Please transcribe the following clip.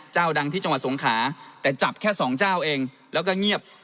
ดังที่จังหวัดสงขาแต่จับแค่สองเจ้าเองแล้วก็เงียบ